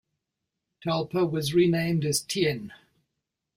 Talpa was renamed as Tien.